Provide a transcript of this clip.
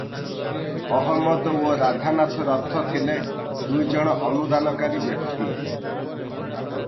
ଅହମଦ ଓ ରାଧାନାଥ ରଥ ଥିଲେ ଦୁଇଜଣ ଅନୁଦାନକାରୀ ବ୍ୟକ୍ତି ।